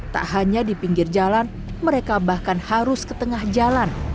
tak hanya di pinggir jalan mereka bahkan harus ke tengah jalan